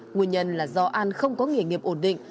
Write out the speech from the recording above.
nguyên nhân là do an không có nghề nghiệp ổn định